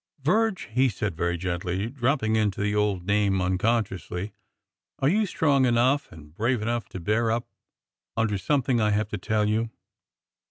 Virge," he said very gently, dropping into the old name unconsciously, are you strong enough and brave enough to bear up under something I have to tell you